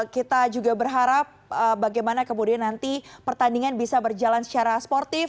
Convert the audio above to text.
kita juga berharap bagaimana kemudian nanti pertandingan bisa berjalan secara sportif